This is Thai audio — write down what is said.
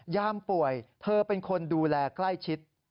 ป่วยเธอเป็นคนดูแลใกล้ชิด